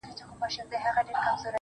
یو ډارونکی، ورانونکی شی خو هم نه دی.